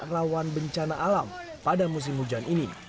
rawan bencana alam pada musim hujan ini